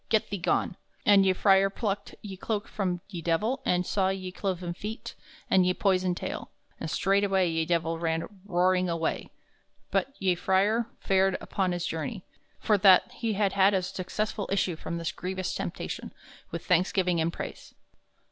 Get thee gone!" And ye frere plucked ye cloake from ye Divell and saw ye cloven feet and ye poyson taile, and straightway ye Divell ran roaring away. But ye frere fared upon his journey, for that he had had a successful issue from this grevious temptation, with thanksgiving and prayse.